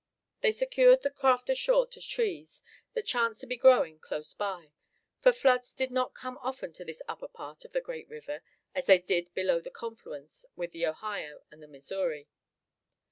They secured the craft ashore to trees that chanced to be growing close by; for floods did not often come to this upper part of the great river as they did below the confluence with the Ohio and the Missouri.